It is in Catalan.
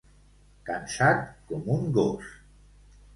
Cansat com un gos.